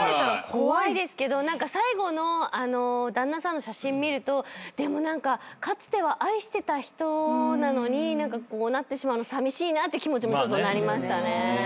怖いですけど最後の旦那さんの写真見るとかつては愛してた人なのにこうなってしまうのさみしいなって気持ちもちょっとなりましたね。